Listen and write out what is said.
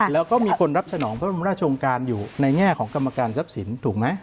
แล้วก็มีคนรับสนองพระบรมราชองค์การอยู่ในแง่ของกรรมการทรัพย์สินถูกไหม